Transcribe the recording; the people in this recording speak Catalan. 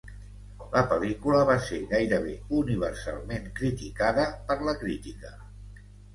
La pel·lícula va ser gairebé universalment criticada per la crítica.